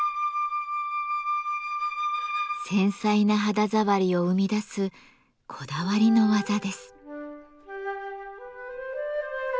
繊細な肌触りを生み出すこだわりの技です。